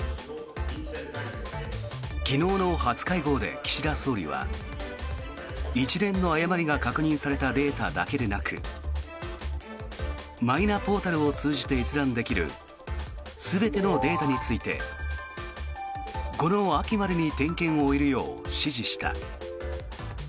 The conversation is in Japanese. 昨日の初会合で岸田総理は一連の誤りが確認されたデータだけでなくマイナポータルを通じて閲覧できる全てのデータについてこの秋までに点検を終えるよう指示した。